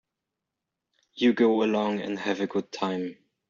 You go along and have a good time.